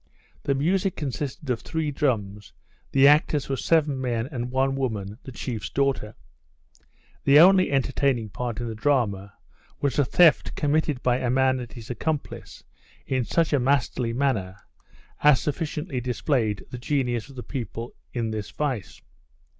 The music consisted of three drums, the actors were seven men, and one woman, the chief's daughter. The only entertaining part in the drama, was a theft committed by a man and his accomplice, in such a masterly manner, as sufficiently displayed the genius of the people in this vice.